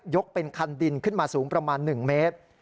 เป็นคันดินขึ้นมาสูงประมาณ๑เมตร